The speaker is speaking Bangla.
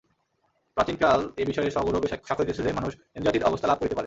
প্রাচীনকাল এ বিষয়ে সগৌরবে সাক্ষ্য দিতেছে যে, মানুষ ইন্দ্রিয়াতীত অবস্থা লাভ করিতে পারে।